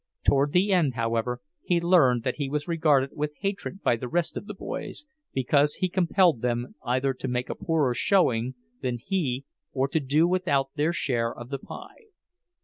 Toward the end, however, he learned that he was regarded with hatred by the rest of the "boys," because he compelled them either to make a poorer showing than he or to do without their share of the pie.